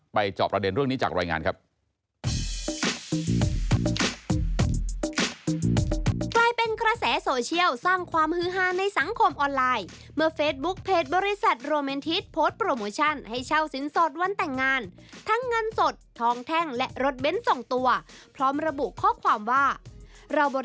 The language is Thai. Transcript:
จอบประเด็นเรื่องนี้จากรายงานครับ